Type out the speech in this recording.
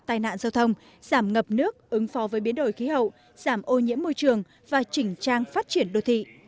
tai nạn giao thông giảm ngập nước ứng phó với biến đổi khí hậu giảm ô nhiễm môi trường và chỉnh trang phát triển đô thị